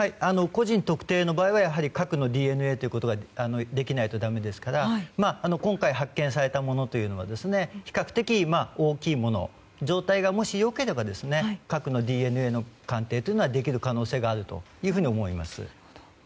個人特定の場合は核のＤＮＡということができないとだめですから今回発見されたものというのは比較的大きいもの状態がもし良ければ核のＤＮＡの鑑定というのはできる可能性はあるというふうに思います。